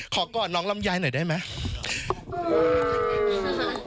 ขอก่อนน้องลำยายหน่อยได้ไหม